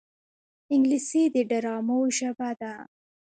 انګلیسي د ډرامو ژبه ده